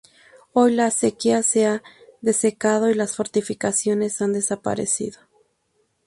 Hoy la acequia se ha desecado y las fortificaciones han desaparecido.